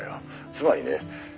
「つまりね」